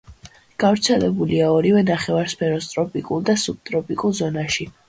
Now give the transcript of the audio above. გავრცელებულია ორივე ნახევარსფეროს ტროპიკულ და სუბტროპიკულ ზონაში.